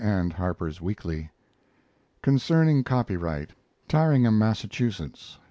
and Harper's Weekly. CONCERNING COPYRIGHT (Tyringham, Massachusetts) N.